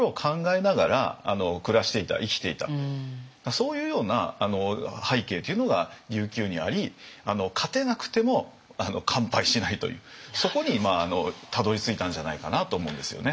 そういうような背景というのが琉球にあり勝てなくても完敗しないというそこにたどりついたんじゃないかなと思うんですよね。